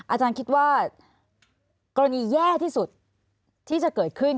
อาจารย์คิดว่ากรณีแย่ที่สุดที่จะเกิดขึ้น